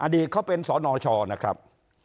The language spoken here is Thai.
อดีตเขาเป็นสนชนะครับ